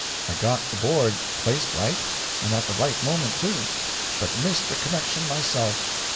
I got the board placed right, and at the right moment, too; but missed the connection myself.